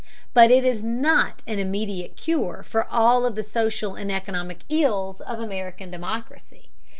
But it is not an immediate cure for all of the social and economic ills of American democracy.